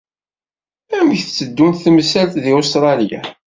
Amek teddunt timsal deg Ustṛalya?